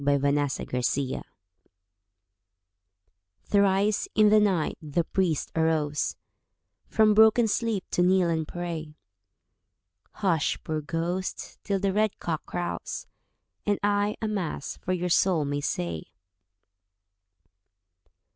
THE PRIEST'S BROTHER Thrice in the night the priest arose From broken sleep to kneel and pray. "Hush, poor ghost, till the red cock crows, And I a Mass for your soul may say."